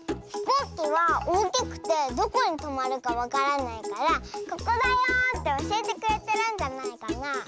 ひこうきはおおきくてどこにとまるかわからないから「ここだよ！」っておしえてくれてるんじゃないかな。